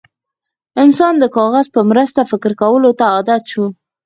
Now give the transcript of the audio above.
انسان د کاغذ په مرسته فکر کولو ته عادت شو.